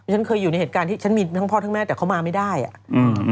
ฉันเคยอยู่ในเหตุการณ์ที่ฉันมีทั้งพ่อทั้งแม่แต่เขามาไม่ได้อ่ะอืม